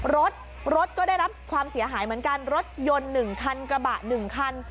รถรถก็ได้รับความเสียหายเหมือนกันรถยนต์๑คันกระบะ๑คัน